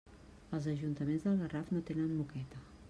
Els ajuntaments del Garraf no tenen moqueta.